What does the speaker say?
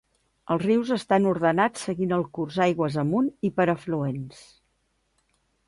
Els rius estan ordenats seguint el curs aigües amunt i per afluents.